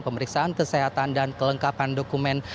pemeriksaan kesehatan dan kelengkapan dokumen